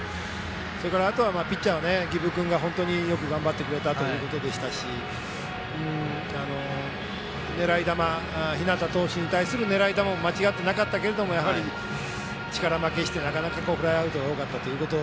それから、あとはピッチャーは儀部君が本当によく頑張ってくれたということでしたし日當投手に対する狙い球も間違ってなかったけれども力負けして、フライアウトが多かったということ。